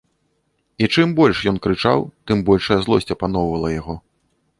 І чым больш ён крычаў, тым большая злосць апаноўвала яго.